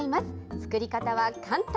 作り方は簡単。